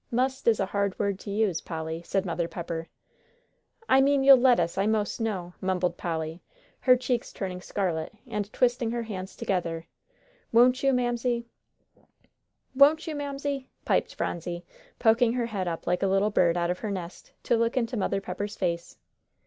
"Must is a hard word to use, Polly," said Mother Pepper, dryly. "I mean you'll let us, I 'most know," mumbled Polly, her cheeks turning scarlet, and twisting her hands together. "Won't you, Mamsie?" "Won't you, Mamsie?" piped Phronsie, poking her head up like a little bird out of her nest, to look into Mother Pepper's face.